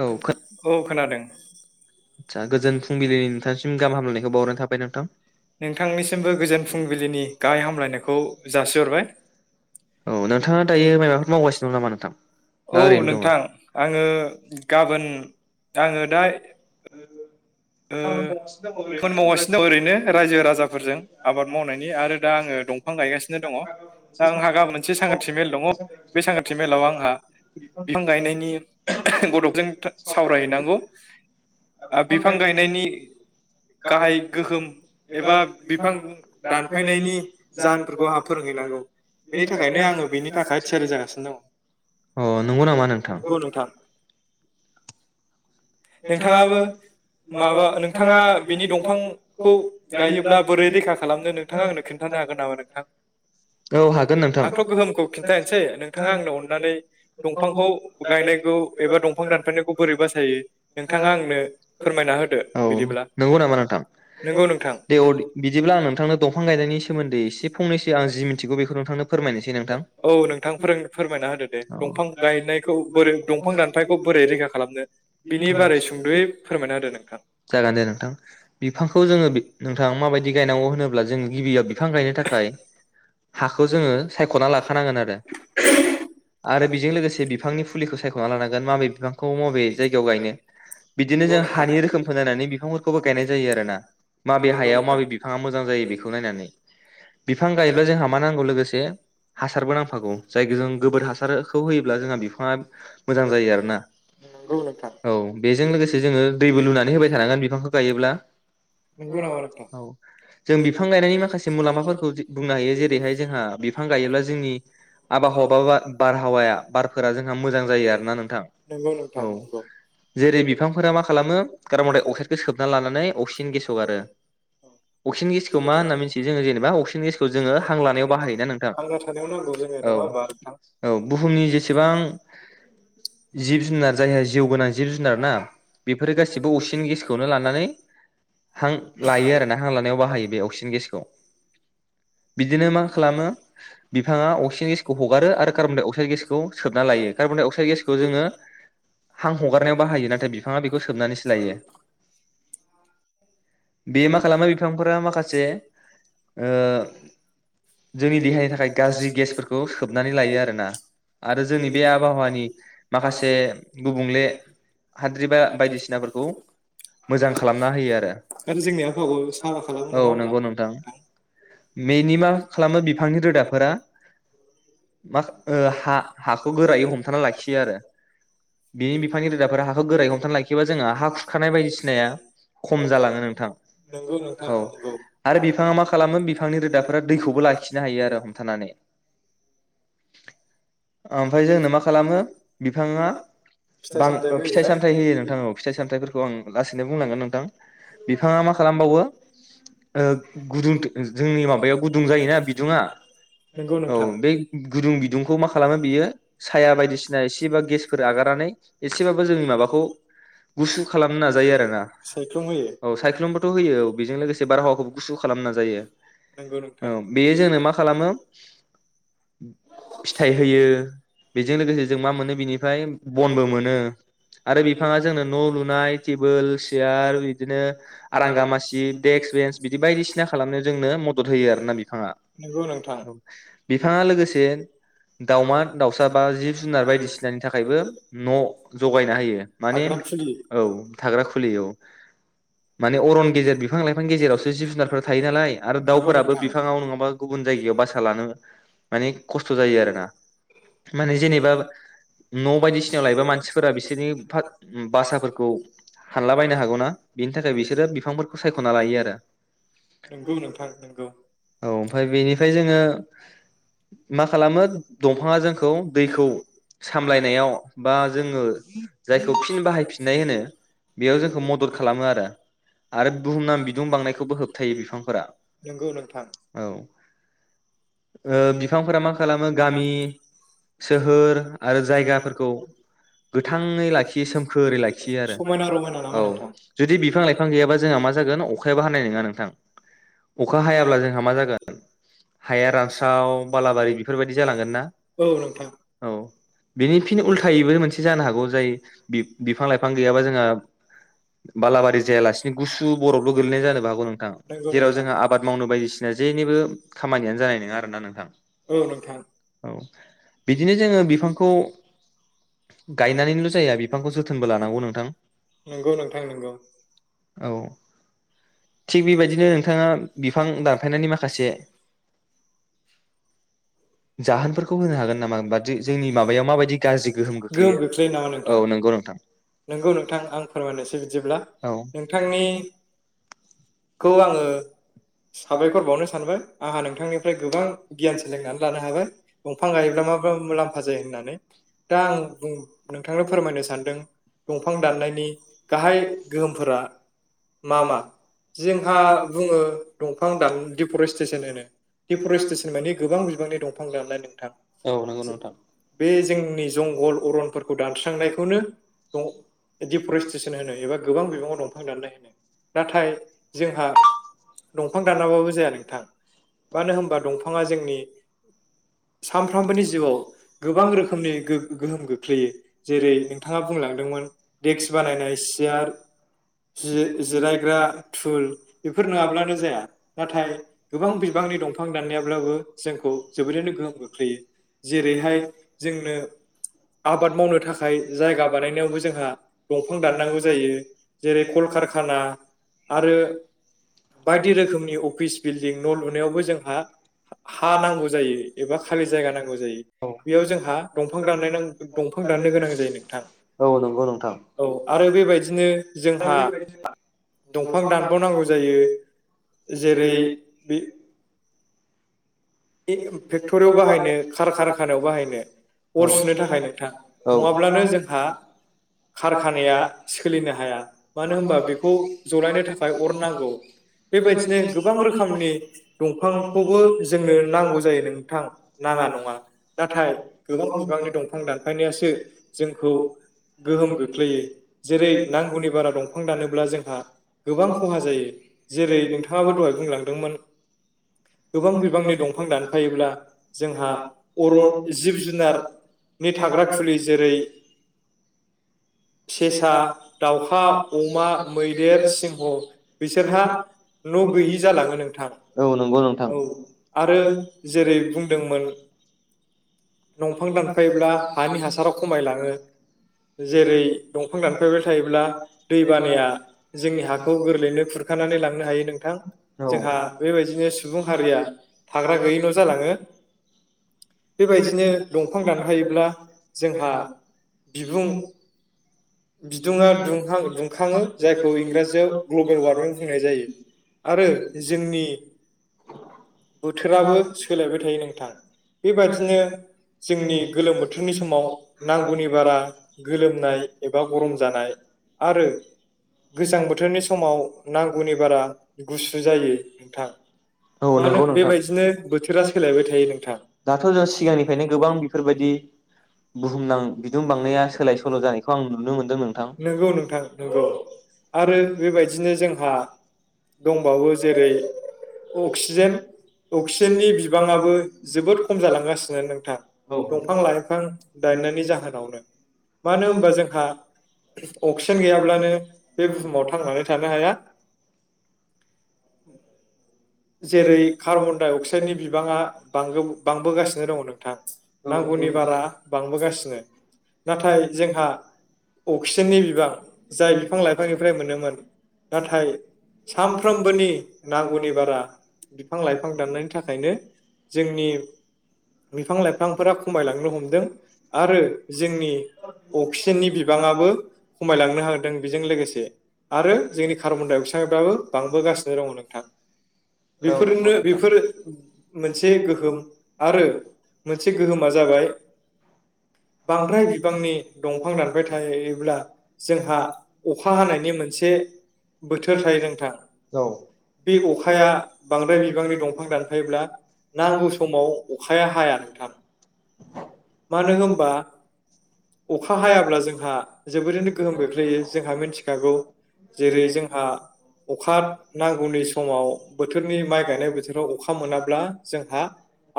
औ औ खोनादों। आदसा गोजोन फुंबिलिनि नोंथांसिम गाहाम हामलायखौ बावहरनाय थाबाय नोंथां। नोंथांनिसिमबो गोजोन फुंबिलिनि गाहाय हामलायनायखौ जासिहरबाय [unintelligible] औ नोंथाङा दायो माइबाफोर मावगासिनो दं नामा नोंथां ना औ ओरैनो दङ? नोंथां आङो गाबोन आङो दाय ओ खोन मावगासिनो दं ओरैनो रायजो राजाफोरजों आबाद मावनायनि आरो दा आङो दंफां गायगासिनो दङ दा आंहा ग मोनसे सांगांथि मेल दङ बे सांगांथि मेलाव आंहा बिफां गायनायनि गथ' [unintelligible] सावराय हैनांगौ आ बिफां गायनायनि गाहाय गोहोम एबा बिफां दानफायनायनि जाहोनफोरखौ आंहा फोरोंहैनांगौ बेनि थाखायनो आङो बेनि थाखाय थियारि जागासिनो अ नंगौ नामा नोंथां दङ [unintelligible] नोंथाङाबो माबा नोंथाङा बिनि दंफांखौ गायोब्ला बोरै रैखा खालामनो नोंथाङा आंनो खोनथानो हागोन नामा नोंथां औ हागोन नोंथां आंथ' गोहोमखौ खिन्थानोसै नोंथाङा आंनो अननानै दंफांखौ गायनायखौ एबा दंफां दानफायनायखौ बोरै बासायो नोंथाङा आंनो फोरमायना होदो औ नंगौ नामा नोंथां नंगौ नोंथां थ' बिदिब्ला आं नोंथांनो दंफां गायनायनि सोमोनदै एसे फंनैसो आं जि मि मिथिगौ बेखौ नोंथांनो फोरमायनोसै नोंथां औ नोंथां फोरों फोरमायना होदो दे औ दंफां गायनायखौ बोरै दंफां दानफायखौ बोरै रैखा खालामनो बिनि बारै सुंद'यै फोरमायना होदो नोंथां जागोन दे नोंथां बिफांखौ जोङो नोंथां माबायदि गायनांगौ होनोब्ला जों गिबियाव बिफां गायनो थाखाय हाखौ जोङो सायख'ना लाखानांगोन आरो आरो बेजों लोगोसे बिफांनि फुलिखौ सायख'ना लानांगोन माबे बिफांखौ माबे जायगायाव गायनो बिदिनो नंगौ जों नोंथां हानि रोखोम नायनानै बिंफोरखौ गायनाय जायो आरोना माबे नंगौ हायाव नोंथां माबे बिफाङा मोजां जायो बेखौ नायनानै बिफां गायोब्ला जोंहा मा नांगौ लोगोसे हासारबो नांफागौ जायखौ जों गोबोर हासारखौ होयोब्ला जोंहा बिफाङा मोजां जायो आरोना नंगौ नोंथां औ बेजों लोगोसे जोङो दैबो लुनानै होबाय थानांगोन बिफांखौ गायोब्ला नंगौ नामा नोंथां? औ जों बिफां गायनायनि माखासे मुलामफाखौ बुंनो हायो जेरैहाय जोंहा बिफां गायोब्ला जोंनि आबहाव बा बारहावाया बारफोरा जोंहा मोजां जायो आरोना नोंथां नंगौ नोंथां औ नंगौ जेरै बिफांफोरा मा खालामो कार्बन डाइ अक्साइडखौ सोबना लानानै अक्सिजेन गेस हगारो अक्सिजेन गेसखौ मा होनना मिथियो जेनेबा अक्सिजेन गसखौ जोङो हा लानायाव बाहायोना नोंथां थांना थानायाव नांगौ जोंनो नङा औ होमबा नोंथां औ बुुमनि जेसेबां जिब जुनार जायहा जिउ गोनां जिब जुनार ना बेफोर गा गासिबो अक्सिजेन गेसखौनो लानानै हां लायो आरोना हां लानायाव बाहायो बे अक्सिज गेसखौ बिदिनो मा खालामो बिफाङा अक्सिजेन गेसखौ हगारो आरो कार्बन डाइ अक्साइड गेसखौ सोबना लायो कार्बन डाइ अक्साइड गेसखौ जोङो हां हगारनायाव बाहायो नाथाय बिफाङा बेखौ सोबनानैसो लायो बे मा खालामो बिफांफोरा माखासे ओ जोंनि देहानि थाखाय गाज्रि गेसफोरखौ सोबनानै लायो आरोना आरो जोंनि बे आबहावानि माखासे गुबुंले हाद्रिबा बायदिसिनाफोर खौ मोजां खालामना होयो आरो जोंनि आबहावाखौ साफा खालामो [unintelligible] औ नङा होमबा नंगौ नोंथां [unintelligible] बेनि मा खालामो बिफांनि रोदाफोरा मा ओ हा हाखौ गोरायै हमथाना लाखियो आरो। बिनि बिफांनि रोदाफोरा हाखौ गोरायै हमथानानै लाखिबा जोंङो हा खुरखानाय बायदिसिनाया खम जालाङो नोंथां नंगौ नोंथां नंगौ औ आरो बिफाङा मा खालामो बिफांनि रोदाफोरा दैखौबो लाखिनो हायो आरो हमथानानै। ओमफ्राय जोंनो मा खालामो बिफाङा फिथाइ बां सामथाइबो फिथाइ होयोना सामथाय होयो नोंथां औ फिथाइ सामथायाइफोर ओं लासैनो बुंलांगोन नोंथां बिफांआ मा खालामबावो ओ गुदुं जोंनि माबायाव गुदुं जायोना बिदुंआ नंगौ औ नोंथां बै गु गुदुं बिदुंखौ मा खालामो बियो साया बायदिसिना एसेबा गेसफोर आगारनानै एसेबाबो जोंनि माबाखौ गुसु खालामनो नाजायो आरोना सायख्लुम होयो [unintelligible] औ सायख्लुमबोथ' होयो औ बेजों लोगोसे बारहावाखौ गुसु खालामनो जायो। नंगौ औ नोंथां बेयो जोंनो मा खालामो फिथाइ होयो बेजों लोगोसे जों मा मोनो बिनिफ्राय बनबो मोनो आरो बिफाङा जोंनो न' लुनो नाय टेबोल सियार बिदिनो आरांगा मासि देक्क बेन्स बिदि बायदिसिना खालामनायाव जोंनो मदद होयो आरोना बिफाङा। नंगौ नोंथां। औ बिफाङा लोगोसे दाउमा दाउसा बा जिब जुनार बायदिसिनानि थाखायबो न' जगायना होयो। माने थाग्रा खुलि औ थाग्रा खुलि औ माने अरन गेजेर बिफां लाइफां गेजेरावसो जिब जुनारफोरा थायो नालाय। आरो नंगौ दाउफोराबो नोंथां बिफांआव नङाबा गुबुन जायगायाव बासा लानो माने खस्थ' जायो आरोना माने जेनेबा न' बायदिसिनाव लायोबा मानसिफोरा बिसोरनि बासा खौ हानला बायनो हागौना बिनि थाखाय बिसोरो बिफांफोरखौ सायख'ना लायो आरो। नंगौ नोंथां नंगौ। औ ओमफ्राय बेनिफ्राय जोङो मा खालामो दंफाङा जोंखौ दैखौ सामलायनायाव बा जोङो जायखौ फिन बाहायफि फिननाय होनो बेयाव जोंखौ मदद खालामो आरो आरो बुहुम नाम बिदुं बांनायखौबो होबथायो बिफांफोरा। नोंगौ नोंथां। औ ओ बिफांफोरा मा खालामो गामि सोहोर आरो जायगाफोरखौ गोथाङै लाखियो सोमखोरै लाखियो। थियो समायना आरो रमायना नामा औ नोंथां जुदि बिफां लाइ बिफां गैयाबा जोंहा मा जागोन अखायाबो हानाय नङा नोंथां अखा हायाब्ला जोंहा मा जागोन हाया रानस्राव बालाबारि बेफोर बायदि जालांगोन ना। औ नोंथां औ।। बिनि फिन उल्थायैबो मोनसे जानो हागौ जाय बिब बिब बिफां लाइफां गैयाबा जोंहा बालाबारि जायालासिनो गुसु बरफल' गोलैनाय जानोबो हागौ नों नंगौ जेराव नोंथां जोंहा आबाद मावनो बायदिसिना जेनिबो खामानियानो जानाय नोङा आरोना नोंथां। औ औ। बिदिनो जोङो बिफांखौ गायनानैल' जाया बिफांखौ जो जोथोनबो लानांगौ नोंथां। नंगौ नोंथां नंगौ। औ थिग बेबायदिनो नोंथाङा बिफां दानफायनायनि माखासे जाहोनफोरखौ होनो हागोन नामा? होमबा दि जोंनि माबायाव माबायदि गाज्रि गोहोम खोख्लैयो औ नंगौ नोंथां। नोंगौ नोंथां आं फोरमायनायसै बिदिब्ला औ नोंथांनिखौ आङो साबायखर बावनो सानबाय आंहा नोंथांनिफ्राय गोबां गियान सोलोंनानै लानो हाबाय दंफां गायोब्ला मा मा मुलाम्फा जायो होननानै। दा आं नोंथांनो फोरमायनो सानदों दंफां दाननायनि गाहाय गोहोमफोरा मा मा जोंहा बुङो दंफां दान दिफरेस्टेसन होनो, दिफरेस्टेसन माने गोबां बि बांनि दंफां दाननाय नोंथां औ नंगौ नोंथां बे जोंनि जंगल अरनफोरखौ दानस्रांनायखौनो दं डिफरेस्ट्रेसन होनो एबा गोबां बिबाङाव दंफां दाननाय होनो। नाथाय जोंहा दंफां दानाबाबो जाया नोंथां मानो होनबा दंफाङा जोंनि सानफ्रामबोनि जिउआव गोबां रोखोमनि गो-गोहोम गोख्लैयो जेरै नोंथाङा बुंलांदोंमोन देक्स बानायनाय, सियार जि-जिरायग्रा तुल बेफोर नङाब्लानो जाया नाथाय गोबां बिबांनि दंफां दाननायाब्लाबो जोंखौ जोबोरैनो गोहोम गोख्लैयो जेरैहाय जोंनो आबाद मावनो थाखाय जायगा बानायनायावबो जोंहा दंफां दाननांगौ जायो जेरै कलकारखाना आरो बायदि रोखोमनि अफिस बिल्डिं न' लुनायावबो जोंहा हा नांगौ जायो खालि जायगा नांगौ जायो। बेयाव जोंहा दंफां दाननायनां दंफां दाननो गोनां जायो नोंथां औ आरो बेबायदिनो जोंहा दंफां दानबावनांगौ जायो जेरै बि बे फेक्टरियाव बाहायनो कारकारखानायाव बाहायनो अर सुनो थाखाय नोंथां औ नङाब्लानो जोंहा औ कारखानाया सोलिनो हाया । मानो होनबा बेखौ जलायनो थाखाय अर नांगौ बेबायदिनो गोबां रोखोमनि बिफांखौ दंफांखौबो जोंनो नांगौ जायो नोंथां नाङा नङा नाथाय गोबां बिबांनि दंफां दानफायनायासो जोंखौ गोहोम गोग्लैयो जेरै नांगौनि बारा दंफां दानोब्ला जोंहा गोबां खहा जायो जेरै नोंथाङाबो दहाय बुंलांदोंमोन गोबां बिबांनि दंफां दान जायोब्ला जोंहा अरन जिब जुनारनि थाग्रा खुलि जेरै सेसा, दाउखा, अमा, मैदेर, सिंह बिसोरहा न' गैयि जालाङो नोंथां औ आरो जेरै बुंदोंमोन दंफां दानफायब्ला जेब्ला हानि हासारा खमायलाङो जेरै दंफां दानफायब्ला थायोब्ला दै जेब्ला बानाया जोंनि हाखौ गोरलैयैनो खुरखानानै लांनो हायो नोंथां जोंहा बेबायदिनो सुबुं हारिया थाग्रा गैयि न' जालाङो बेबायदिनो दंफां दानफायोब्ला जोंहा बिबुं बिदुङा दुंखाङो जायखौ इंराजियाव ग्लबेल वार्मिं बुंनाय जायो आरो जोंनि बोथोराबो सोलायबाय थायो नोंथां बेबायादिनो जोंनि गोलोम बोथोरनि समाव नांगौनि बारा गोलोमनाय बा गरम जानाय आरो गोजां बोथोरनि समाव नांगौनि बारा गुसु जायो नोंथां औ [unintelligible] बेबायदिनो सोलायबाय थायो नोंथां दाथ' जों सिगांनिफ्रायनो गोबां बेफोरबायदि बुहुमनां बिदुं बांनाया सोलाय सोल' जानाय खौ आं नुनो मोनो। नंगौ नोंथां नंगौ आरो बेबायदिनो जोंहा दंबावो जेरै अक्सिजेन अक्सिजेननि बिबाङाबो जोबोद खम जालांगासिनो नोंथां दंफां लाइफां दायनायनि जाहोनावनो मानो होनबा जों नोंथां [inaudible] अक्सिजेन गैयाब्लानो बे बुहुमाव थांनानै थानो हाया। [inaudible] जेरै कार्बन डाइ अक्साइडनि बिबाङा बांबो बांबोगासिनो दङ नोंथां नांगौनि बारा बांबोगासिनो नाथाय जोंहा अक्सिजेननि बिबां जाय बिफां लाइफांनिफ्राय मोनोमोन नाथाय सानफ्रोमबोनि नांगौनि बारा बिफां लाइफां दाननायनि थाखायनो जोंनि बिफां लाइफांफोरा खमायलांनो हमदों औ आरो जोंनि अक्सिजेननि बिबाङाबो खमायलांनो हागदों बेजों लोगोसे आरो जोंनि कार्बन डाइ अक्साइड बाबो बांबोगासिनो दङ नोंथां। नंगौ बेफोरनो बेफोर मोनसे गोहोम आरो मोनसे गोहोमा जाबाय बांद्राय बिबांनि दंफां दान बाय थायोब्ला जोंहा अखा हानायनि मोनसे बोथोर थायो नोंथां औ बे अखाया बांद्राय बिबांनि दंफां दानफायोब्ला नांगौ समाव अखाया हाया नोंथां मानो होमबा अखा हायाब्ला जों। जोंहा जोबोरैनो गोहोम खोख्लैयो जोंहा मिथिखागौ जेरै जोंहा अखा नांगौनि समाव बोथोरनि माइ गायनाय बोथोराव अखा मोनाब्ला जोंहा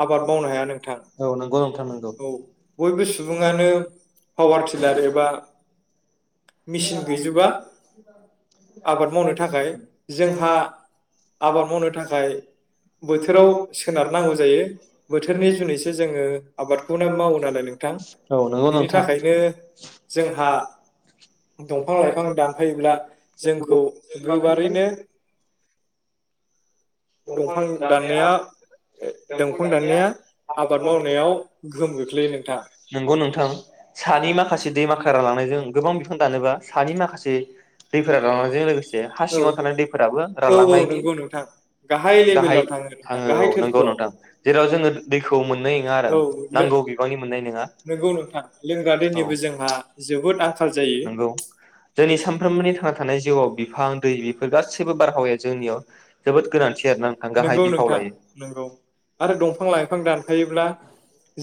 आबाद मावनो हाया नोंथां औ नंगौ नोंथां नंगौ औ बयबो सुबुङानो औ पावार टिलार एब मेचिन गैजोबा आबाद मावनो थाखाय जोंहा आबाद मावनो थाखाय बोथोराव सोनारनांगौ जायो बोथोरनि जुनैसो जोङो आबादखौनो मावो नालाय नोंथां बिनि थाखायनो [unintelligible] जोंहा दंफां लाइफां दानफायोब्ला जोंखौ गोबारैनो। [unintelligible] दंफां दाननाया दंफां दाननाया आबाद मावनायाव गोहोम गोख्लैयो नोंथां दै माख्रा रानलांनायजों गोबां बिफां दानोबा सानि माखासे दैफोरा रानलांनायजों लोगोसे हा औ सिङाव थानाय दैफोराबो औ औ रानलांनायनि नंगौ नोंथां गाहाय लेभेलाव नोंथां थाङो औ गाहाय नंगौ थोरफोआव नोंथां जेराव जोङो दैखौ मोननाय नङा आरो औ नांगौ बिबांनि मोननाय नङा नंगौ नोंथां लोंग्रा औ। दैनिबो जोंहा जोबोद आंखाल जायो नंगौ जोंनि सानफ्रोमबोनि थांना थानाय जिउआव बिफां दै बेफोर गासैबो बारहावाया जोंनियाव जोबोद। गोनांथि आरोना नोंथां गाहाय नंगौ बिफाव नोंथां लायो। नंगौ आरो दंफां लाइफां दानफायोब्ला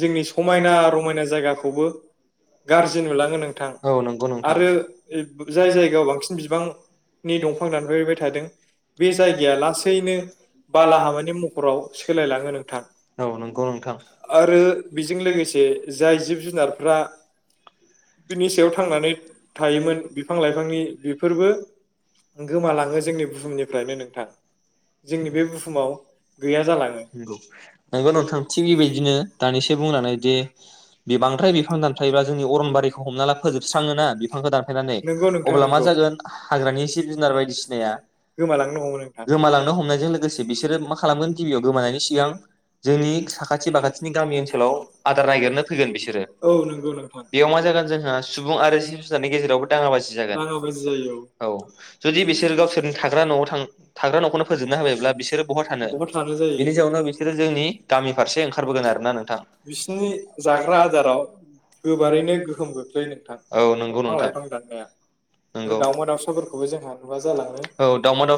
जोंनि समायना रमायना जायगाखौबो गारज जि नुलाङो नोंथां औ नंगौ नोंथां। आरो जाय जायगायाव बांसिन बिबांनि दंफां दानफैबाय थादों बे जायगाया लासै नो बाला हामानि महराव सोलायलाङो नोंथां औ नंगौ नोंथां आरो बेजों लोगोसे जाय जिब जुनारफ्रा बिनि सायाव थांनानै थायोमोन बिफां लाइफांनि बेफोरबो गोमालाङो जोंनि बुहुमनिफ्रायनो नोंथां। जोंनि बे बुहुमाव गैया जालाङो नंगौ नोंथां थिग बेबायदिनो दानिसो बुंनानै दि बिबांद्राय बिफां दानफायोब्ला जोंनि अरनबारिखौ हमना ला फोजोबस्राङोना बिफांखौ दानफायनानै नंगौ नोंथां अब्ला मा नंगौ जागोन हाग्रानि जिब जुनार बायदिसिनाया गोमालांनो हमो नोंथां गोमालांग जों लोगोसे बिसोरो मा खालामगोन गिबियाव गोमानायनि सिगां जोंनि साखाथि बाखाथिनि गामि ओनसोलाव आदार नागागिरनो फैगोन बिसोरो औ नंगौ नोंथां जागोन जोंहा सुबुं आरो जिब जुनारनि गेजेरावबो दाङा बाजि जागोन दाङा बाजि जायो औ जुदि बिसोर गावसोरनि थाग्रा न'आव थां थाग्रा न'खौनो जोबना होबायब्ला बिसोरो बहा थानो बिनि जाउनाव बिसोरो जोंनि गामि फारसे ओंखारबोगोन आरोना नोंथां। बिसिनि जाग्रा आदाराव गोबारैनो गोहोम गोग्लैयो नोंथां औ नंगौ दंफां नोंथां लाइफां दाननाया नंगौ आरो दावमा दाउसाफोरखौबो जोंहा नुवा जालाङो। औ दावमा दावसा